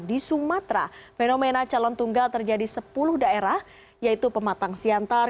di sumatera fenomena calon tunggal terjadi sepuluh daerah yaitu pematang siantar